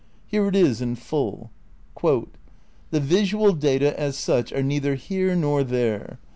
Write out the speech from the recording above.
Here it is in full: "the visual data as such are neither here nor there.